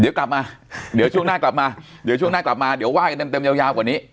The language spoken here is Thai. เดี๋ยวกลับมาเดี๋ยวช่วงหน้ากลับมาเดี๋ยวช่วงหน้ากลับมาเดี๋ยวว่ากันเต็มยาวกว่านี้